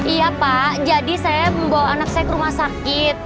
iya pak jadi saya membawa anak saya ke rumah sakit